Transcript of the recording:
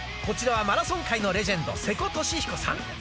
こちらはマラソン界のレジェンド瀬古利彦さん。